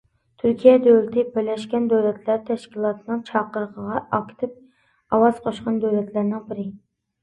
تۈركىيە دۆلىتى بىرلەشكەن دۆلەتلەر تەشكىلاتىنىڭ چاقىرىقىغا ئاكتىپ ئاۋاز قوشقان دۆلەتلەرنىڭ بىرى.